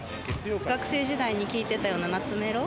学生時代に聴いてたような懐メロ。